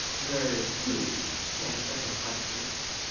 "Where is he?" came a second question.